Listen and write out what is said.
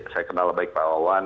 saya kenal baik pak wawan